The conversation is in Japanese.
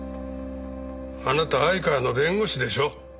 あなた相川の弁護士でしょ。